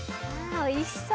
おいしそう！